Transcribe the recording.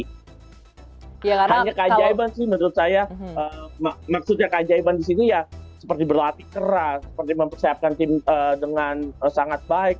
hanya keajaiban sih menurut saya maksudnya keajaiban di situ ya seperti berlatih keras seperti mempersiapkan tim dengan sangat baik